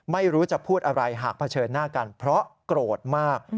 ไม่รู้จะพูดอะไรหากเผชิญหน้ากันเพราะโกรธมาก